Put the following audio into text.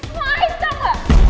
semua aja mbak